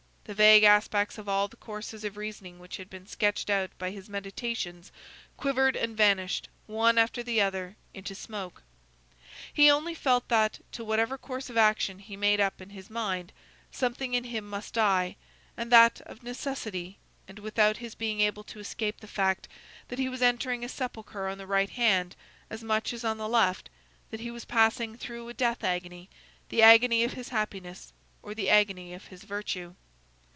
The vague aspects of all the courses of reasoning which had been sketched out by his meditations quivered and vanished, one after the other, into smoke. He only felt that, to whatever course of action he made up his mind, something in him must die, and that of necessity, and without his being able to escape the fact; that he was entering a sepulchre on the right hand as much as on the left; that he was passing through a death agony,—the agony of his happiness, or the agony of his virtue.